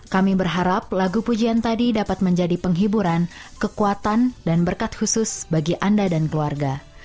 kami berharap lagu pujian tadi dapat menjadi penghiburan kekuatan dan berkat khusus bagi anda dan keluarga